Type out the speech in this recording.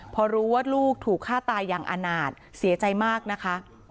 พอรู้ว่าลูกถูกฆ่าตายอย่างอาณาจเสียใจมากนะคะ